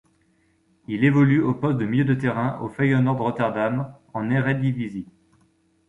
Il évolue au poste de milieu de terrain au Feyenoord Rotterdam en Eredivisie.